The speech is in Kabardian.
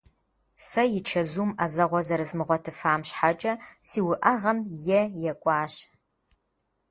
Сэ и чэзум ӏэзэгъуэ зэрызмыгъуэтыфам щхьэкӏэ си уӏэгъэм е екӏуащ.